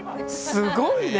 すごいね。